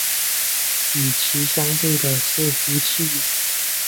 与其相对的是呼气音。